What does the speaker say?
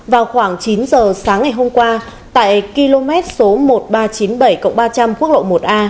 vào khoảng chín giờ sáng ngày hôm qua tại km số một nghìn ba trăm chín mươi bảy ba trăm linh quốc lộ một a